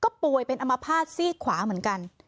ก็ป่วยเป็นอมภาษณซีกขวาเหมือนกัน